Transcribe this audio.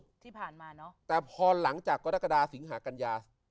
ที่ผ่านมาเนอะแต่พอหลังจากกรกฎาสิงหากัญญา